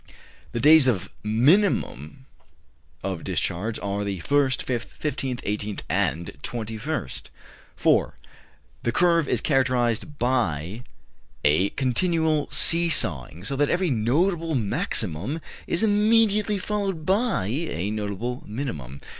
3. The days of minimum of discharge are the 1st, 5th, 15th, 18th, and 21st. 4. The curve is characterized by a continual see sawing; so that every notable maximum is immediately followed by a notable minimum.